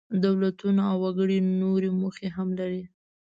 دولتونه او وګړي نورې موخې هم لري.